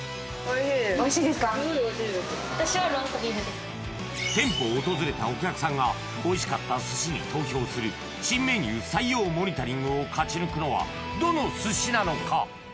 おいしいですか店舗を訪れたお客さんがおいしかった寿司に投票する新メニュー採用モニタリングを勝ち抜くのはどの寿司なのか？